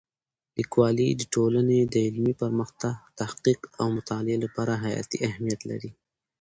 لیکوالی د ټولنې د علمي پرمختګ، تحقیق او مطالعې لپاره حیاتي اهمیت لري.